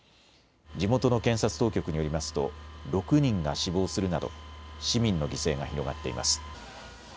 地元の検察当局によりますと６人が死亡するなど市民の犠牲が広がっています。